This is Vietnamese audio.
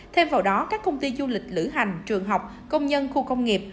thêm vào đó các công ty du lịch lữ hành trường học công nhân khu công nghiệp